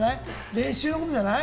練習のことじゃない？